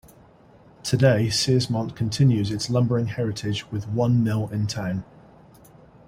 Today, Searsmont continues its lumbering heritage with one mill in town.